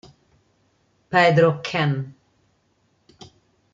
Pedro Ken